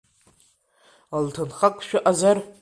Лҭынхак шәыҟазар?